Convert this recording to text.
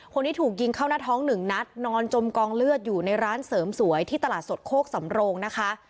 คนนี้ถูกยิงเข้าหน้าท้องหนึ่งนัดนอนจมกองเลือดอยู่ในร้านเสริมสวยที่ตลาดสดโคกสำโรงนะคะ